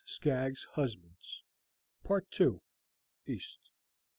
SKAGGS'S HUSBANDS. PART II EAST.